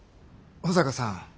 保坂さん